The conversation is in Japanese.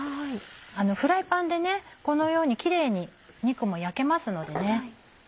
フライパンでこのようにキレイに肉も焼けますのでね。